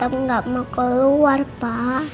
enggak mau keluar pak